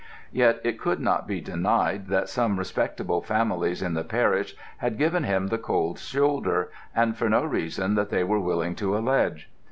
Yet it could not be denied that some respectable families in the parish had given him the cold shoulder, and for no reason that they were willing to allege.